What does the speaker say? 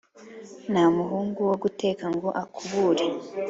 Nta muhungu wo guteka ngo akubure.”